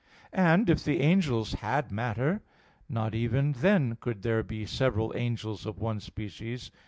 And if the angels had matter, not even then could there be several angels of one species.